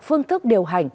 phương thức điều hành